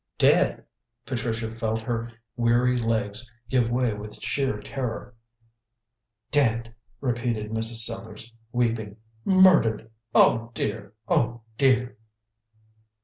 "Dead!" Patricia felt her weary legs give way with sheer terror. "Dead!" repeated Mrs. Sellars, weeping. "Murdered! Oh, dear! oh, dear!"